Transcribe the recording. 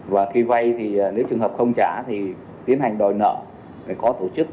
và khi vay thì nếu trường hợp không trả thì tiến hành đòi nợ phải có tổ chức